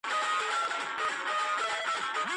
ააგზავნის